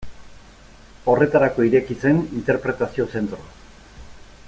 Horretarako ireki zen interpretazio zentroa.